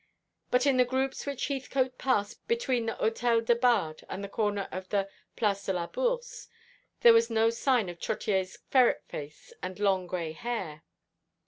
But in the groups which Heathcote passed between the Hôtel de Bade and the corner of the Place de la Bourse there was no sign of Trottier's ferret face and long gray hair.